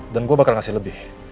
dan gue bakal kasih lebih